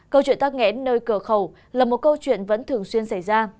câu chuyện tắc nghẽn nơi cửa khẩu là một câu chuyện vẫn thường xuyên xảy ra